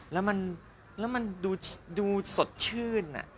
แล้วมันดูสดชื่น